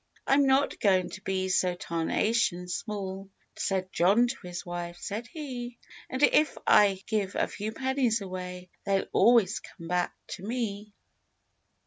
"I'm not going to be so tarnation small," Said John to his wife, said he— "And if I give a few pennies away They'll always come back to me."